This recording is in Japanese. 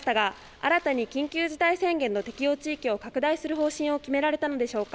新たに緊急事態宣言の地域を拡大する方針を決められたのでしょうか。